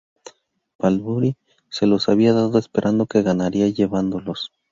Bradbury se los había dado, esperando que ganara llevándolos.